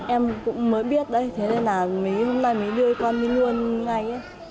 em cũng mới biết đấy thế nên là hôm nay mới đưa con đi luôn ngay